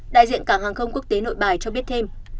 đại diện cảng hàng không quốc tế nội bài cho biết thêm